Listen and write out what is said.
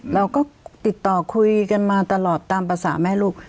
เราก็ติดต่อคุยกันมาตลอดตามภาษาแม่ลูก